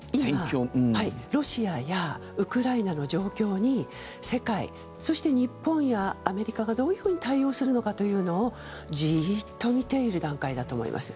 ロシアやウクライナの状況に世界そして日本やアメリカがどういうふうに対応するのかというのをジーッと見ている段階だと思います。